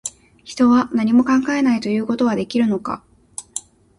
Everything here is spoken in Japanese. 人は、何も考えないということはできるのか